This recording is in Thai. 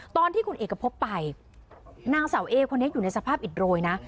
ตอนที่คุณเอกพบไปนางสาวเอคนนี้อยู่ในสภาพอิดโรยนะ